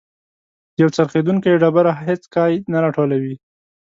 یو څرخیدونکی ډبره هیڅ کای نه راټولوي.